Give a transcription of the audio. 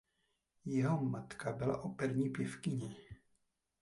Jeho matka byla operní pěvkyně.